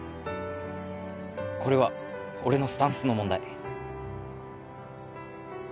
これは俺のスタンスの問題